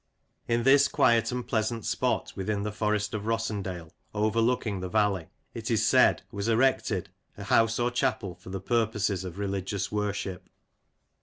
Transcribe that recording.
In this quiet and pleasant spot within the Forest of Rossendale, overlooking the valley, it is said, was erected a house or chapel for the purposes of religious worship.